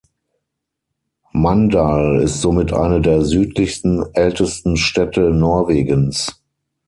Mandal ist somit eine der südlichsten ältesten Städte Norwegens.